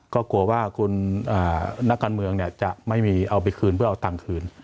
ก็กลัวว่าคุณนักการเมืองจะไม่มีเอาไปคืนเพื่อเอาตังค์คืน